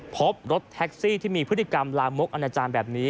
พบรถแท็กซี่ที่มีพฤติกรรมลามกอนาจารย์แบบนี้